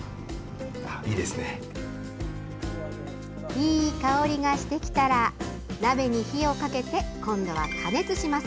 いい香りがしてきたら鍋に火をかけて今度は加熱します。